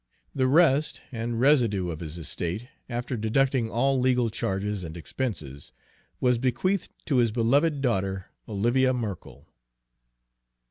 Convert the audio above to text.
The rest and residue of his estate, after deducting all legal charges and expenses, was bequeathed to his beloved daughter, Olivia Merkell.